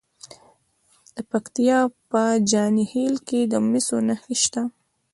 د پکتیا په جاني خیل کې د مسو نښې شته.